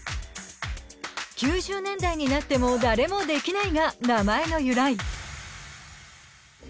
「９０年代になっても誰もできない」が、名前の由来。